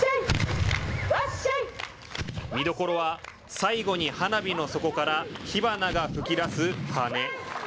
見どころは最後に花火の底から火花が噴き出すハネ。